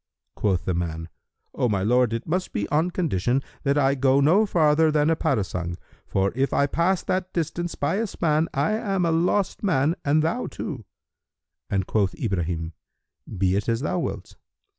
Quoth the man, "O my lord, it must be on condition that I go no farther than a parasang; for if I pass that distance by a span, I am a lost man, and thou too." And quoth Ibrahim, "Be it as thou wilt."